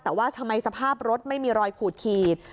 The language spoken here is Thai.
แต่ว่าทำไมสภาพรถไม่มีรอยขูดขีด